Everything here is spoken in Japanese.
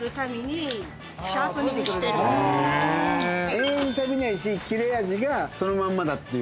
永遠にさびないし切れ味がそのまんまだっていう。